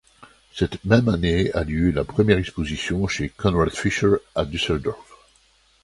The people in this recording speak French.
Cette même année a lieu la première exposition chez Konrad Fischer, à Düsseldorf.